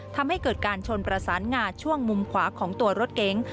ทำให้เกิดการชนประสานงาช่วงมุมขวาของตัวรถเก๋ง